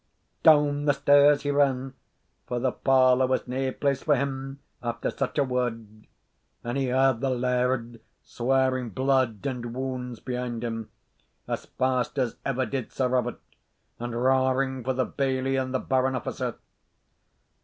Down the stairs he ran (for the parlour was nae place for him after such a word), and he heard the laird swearing blood and wounds behind him, as fast as ever did Sir Robert, and roaring for the bailie and the baron officer.